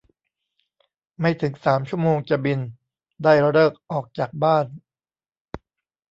ไม่ถึงสามชั่วโมงจะบิน ได้ฤกษ์ออกจากบ้าน